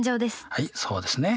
はいそうですね。